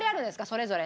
それぞれ。